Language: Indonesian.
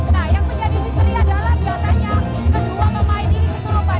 nah yang menjadi misteri adalah biasanya kedua pemain ini serupa